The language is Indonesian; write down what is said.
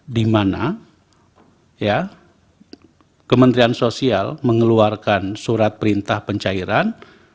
dimana kementerian sosial mengeluarkan surat perintah pencairan